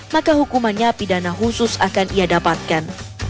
maka hukumannya pidana khusus akan ia dapatkan